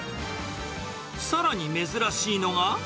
さらに珍しいのが。